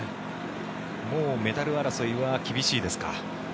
もうメダル争いは厳しいですか？